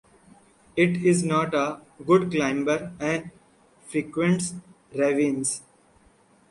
It is not a good climber and frequents ravines.